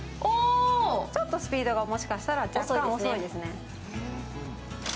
ちょっとスピードが、もしかしたら若干遅いですね。